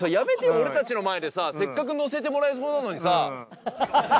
俺たちの前でさせっかく乗せてもらえそうなのにさ。